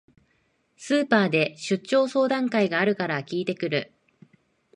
スーパーで出張相談会があるから聞いてくる